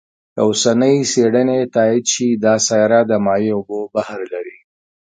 که اوسنۍ څېړنې تایید شي، دا سیاره د مایع اوبو بحر لري.